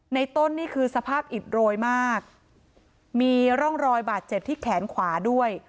ต้นนี่คือสภาพอิดโรยมากมีร่องรอยบาดเจ็บที่แขนขวาด้วย